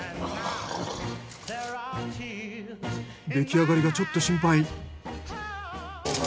出来上がりがちょっと心配。